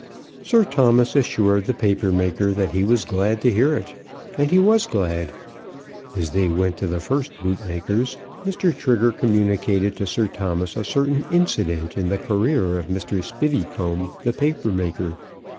Sir Thomas assured the paper maker that he was glad to hear it; and he was glad. As they went to the first bootmaker's, Mr. Trigger communicated to Sir Thomas a certain incident in the career of Mr. Spiveycomb, the paper maker.